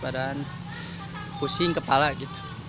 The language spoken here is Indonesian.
dan pusing kepala gitu